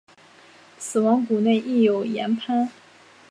死亡谷内亦有盐磐。